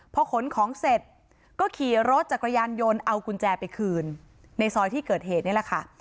พอขนของเสร็จก็ขี่รถจักรยานยนต์เอากุญแจไปคืนในซอยที่เกิดเหตุนี่แหละค่ะ